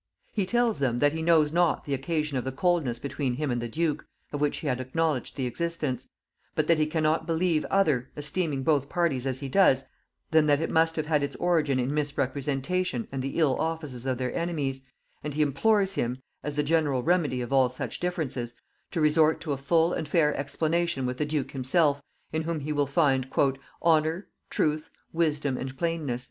He tells him that he knows not the occasion of the coldness between him and the duke, of which he had acknowledged the existence; but that he cannot believe other, esteeming both parties as he does, than that it must have had its origin in misrepresentation and the ill offices of their enemies; and he implores him, as the general remedy of all such differences, to resort to a full and fair explanation with the duke himself, in whom he will find "honor, truth, wisdom and plainness."